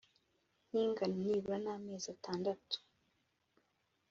kingana nibura n amezi atandatu